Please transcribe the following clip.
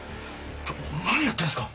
⁉ちょ何やってんすか！